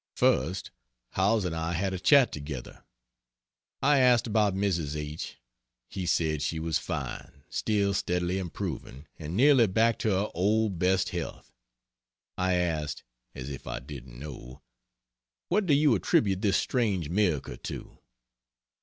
First, Howells and I had a chat together. I asked about Mrs. H. He said she was fine, still steadily improving, and nearly back to her old best health. I asked (as if I didn't know): "What do you attribute this strange miracle to?"